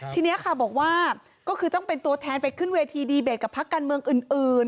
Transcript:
ทีนี้ค่ะบอกว่าก็คือต้องเป็นตัวแทนไปขึ้นเวทีดีเบตกับพักการเมืองอื่น